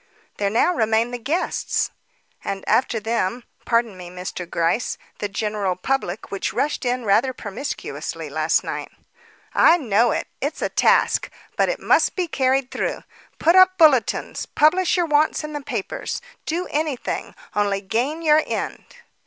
"There now remain the guests." "And after them (pardon me, Mr. Gryce) the general public which rushed in rather promiscuously last night." "I know it; it's a task, but it must be carried through. Put up bulletins, publish your wants in the papers; do anything, only gain your end."